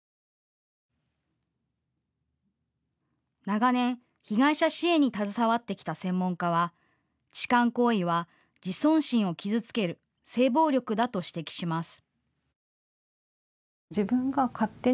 長年、被害者支援に携わってきた専門家は痴漢行為は自尊心を傷つける性暴力だと指摘します。